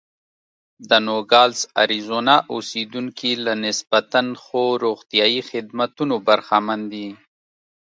د نوګالس اریزونا اوسېدونکي له نسبتا ښو روغتیايي خدمتونو برخمن دي.